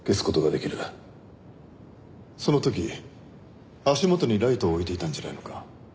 その時足元にライトを置いていたんじゃないのか？